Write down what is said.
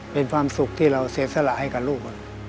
เป็นความสุขที่เราเสียสละให้กับลูก